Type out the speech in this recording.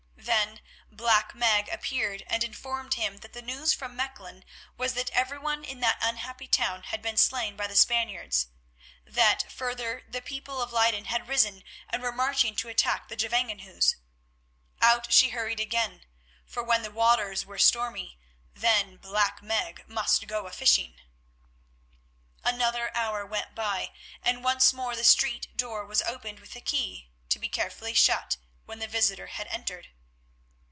Then Black Meg appeared and informed him that the news from Mechlin was that everyone in that unhappy town had been slain by the Spaniards; that further the people of Leyden had risen and were marching to attack the Gevangenhuis. Out she hurried again, for when the waters were stormy then Black Meg must go afishing. Another hour went by, and once more the street door was opened with a key, to be carefully shut when the visitor had entered.